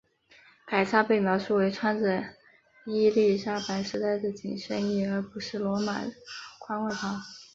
凯撒被描述为穿着伊丽莎白时代的紧身衣而不是罗马宽外袍。